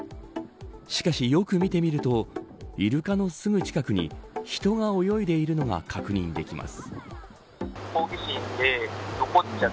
しかし、よく見てみるとイルカのすぐ近くに人が泳いでいるのが確認できます。